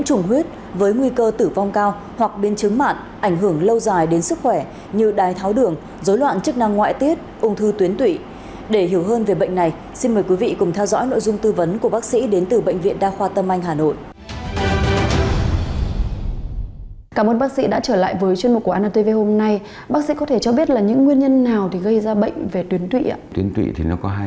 xin mời quý vị cùng theo dõi nội dung tư vấn của bác sĩ đến từ bệnh viện đa khoa tâm anh hà nội